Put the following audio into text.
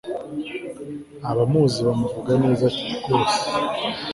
Abamuzi bamuvuga neza rwose